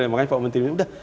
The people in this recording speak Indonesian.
makanya pak menteri bilang